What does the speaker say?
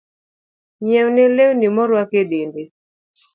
Ng'iewne lewni moruako e dende.